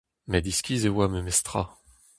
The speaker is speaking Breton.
Met iskis e oa memes tra.